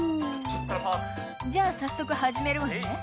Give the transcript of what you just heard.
［じゃあ早速始めるわね］